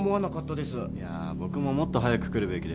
いやぁ僕ももっと早く来るべきでした。